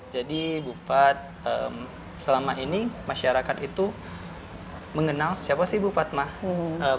jadi bupat selama ini masyarakat itu mengenal siapa sih bupat mawati